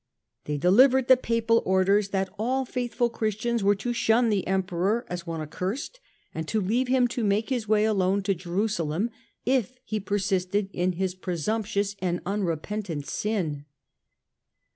They delivered the Papal orders that all faithful Christians were to shun the Emperor as one accursed, and to leave him to make his way alone to Jerusalem if he persisted in his presumptuous and unrepentant sin.